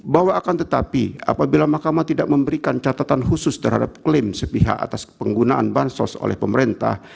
bahwa akan tetapi apabila mahkamah tidak memberikan catatan khusus terhadap klaim sepihak atas penggunaan bansos oleh pemerintah